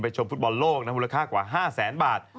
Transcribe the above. ชมฟุตบอลโลกนะมูลค่ากว่า๕แสนบาท